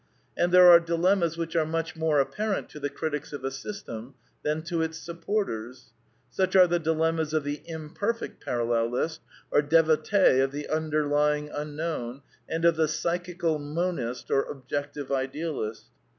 And there are dilemmas which are much more apparent /\ to the critics of a system than to its supporters. Such are ^^ the dilemmas of the Imperfect Parallelist, or devotee of the Underlying Unknown, and of the Psychical Monist or Objective Idealist.